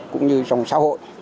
cũng như trong xã hội